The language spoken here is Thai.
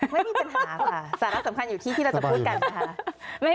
ไม่มีปัญหาค่ะสาระสำคัญอยู่ที่ที่เราจะพูดกันนะคะ